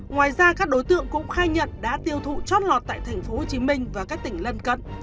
ngoài ra các đối tượng cũng khai nhận đã tiêu thụ chót lọt tại tp hcm và các tỉnh lân cận